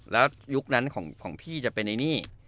แล้วยุคนั้นของพี่จะเป็นไอ้นี่